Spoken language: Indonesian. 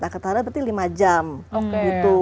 ketahanan berarti lima jam gitu